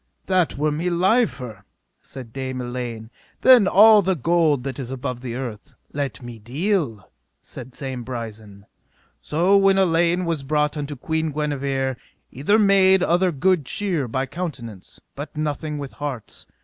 That were me liefer, said Dame Elaine, than all the gold that is above the earth. Let me deal, said Dame Brisen. So when Elaine was brought unto Queen Guenever either made other good cheer by countenance, but nothing with hearts.